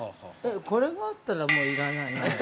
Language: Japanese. ◆これがあったら、もう要らない。